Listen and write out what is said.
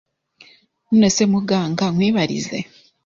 none se muganga nkwibarize